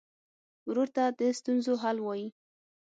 ورور ته د ستونزو حل وايي.